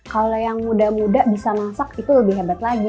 kalau yang muda muda bisa masak itu lebih hebat lagi